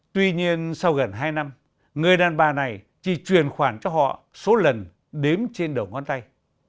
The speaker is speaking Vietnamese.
tuy nhiên sau gần hai năm người đàn bà này chỉ truyền khoản cho họ số lần đếm trên đầu ngón tay